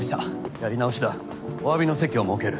やり直しだおわびの席を設ける。